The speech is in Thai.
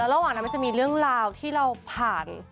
ระหว่างนั้นมันจะมีเรื่องราวที่เราผ่าน